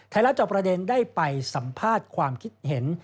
รับจอบประเด็นได้ไปสัมภาษณ์ความคิดเห็น